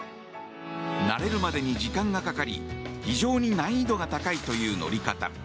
慣れるまでに時間がかかり非常に難易度が高いという乗り方。